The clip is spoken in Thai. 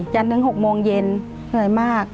จนถึง๖โมงเย็นเหนื่อยมาก